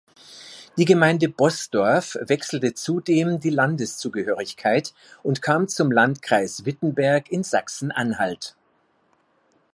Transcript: Die Gemeinde Boßdorf wechselte zudem die Landeszugehörigkeit und kam zum Landkreis Wittenberg in Sachsen-Anhalt.